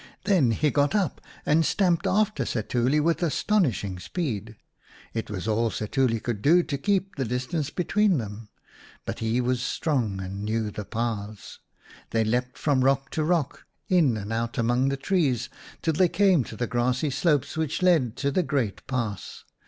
Then he got up and stamped after Setuli with astonishing speed. It was all Setuli could do to keep the distance between them, but he was strong and knew the paths. They leapt from rock to rock, in and out among the trees, till they came to the grassy slopes which led to the great pass.